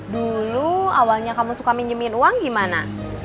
dulu awalnya kamu suka minjemin uang gimana